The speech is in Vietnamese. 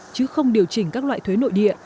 chứ không điều chỉnh các loại thuế nội địa